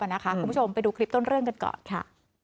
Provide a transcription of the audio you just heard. คุณผู้ชมไปดูคลิปต้นเรื่องกันก่อนค่ะ